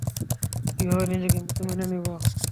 কিভাবে নিজেকে মৃত মেনে নিব।